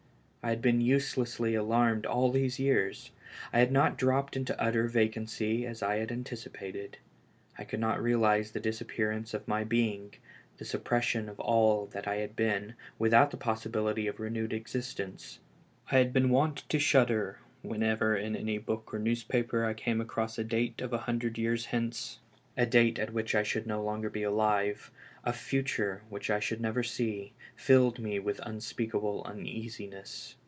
I had been uselessly alarmed all these years. I had not dropped into utter vacancy as I had antici pated. I could not realize the disappearance of my being, the suppression of all that I had been, without the possibility of renewed existence. I had been wont to shudder whenever in any book or newspaper I came across a date of a hundred years hence. A date at which I should no longer be alive, a future w^hich I should never see, filled me with unspeakable uneasiness.